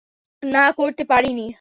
না করতে পরি নি।